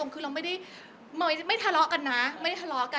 คือเราไม่ทะเลาะกันนะ